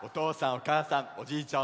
おかあさんおじいちゃん